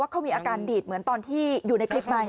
เขามีอาการดีดเหมือนตอนที่อยู่ในคลิปไหม